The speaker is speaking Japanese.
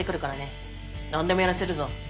何でもやらせるぞ。